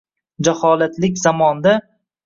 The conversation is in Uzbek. Jaholatlik zamonda